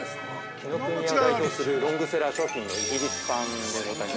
◆紀ノ国屋を代表するロングセラー商品のイギリスパンでございます。